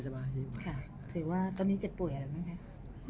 คิดว่าตอนนี้เจ็บป่วยอะไรรู้ไหม